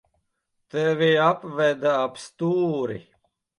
Tevi apveda ap stūri.